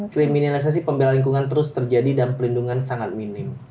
kriminalisasi pembelaan lingkungan terus terjadi dan pelindungan sangat minim